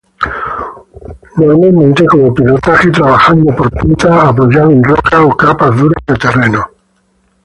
Usualmente como pilotaje trabajando por punta, apoyado en roca o capas duras de terreno.